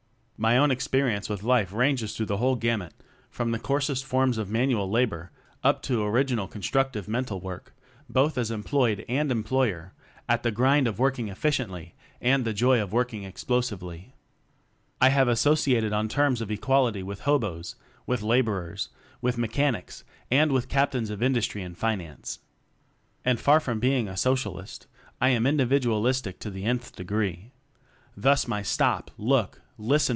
My own experience with life ranges through the whole gamut, from the coarsest forms of manual labor up to original constructive mental work, both as employed and employer at the grind of "work ing efficiently" and the joy of "working explosively/' I have as sociated on terms of equality with hoboes, with laborers, with mechan ics, and with captains of industry and finance. And far from being a socialist, I am individualistic to the nth degree. Thus, my Stop! Look! Listen!